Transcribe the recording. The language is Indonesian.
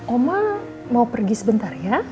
oma mau pergi sebentar ya